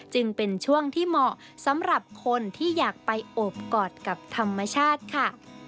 จึงเป็นช่วงที่เหมาะสำหรับคนที่อยากไปโอบกอดกับธรรมชาติค่ะ